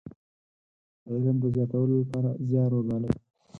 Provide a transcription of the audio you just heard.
د علم د زياتولو لپاره زيار وګالي.